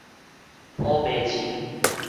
烏白試